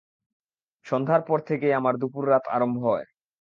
সন্ধ্যার পর থেকেই আমার দুপুর রাত আরম্ভ হয়।